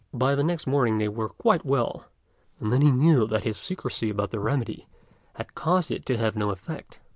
By the next morning they were quite well, and then he knew that his secrecy about the remedy had caused it to have no effect.